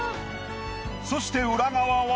そして裏側は。